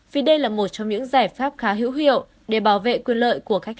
vì đây là một trong những giải pháp khá hữu hiệu để bảo vệ quyền lợi của khách hàng